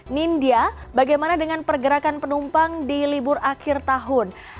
nindya bagaimana dengan pergerakan penumpang di libur akhir tahun